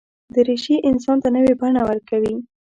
دریشي انسان ته نوې بڼه ورکوي.